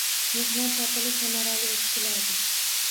Mehnat taʼtili samarali oʻtishi lozim.